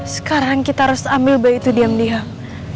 sekarang kita harus ambil bayi itu diam diam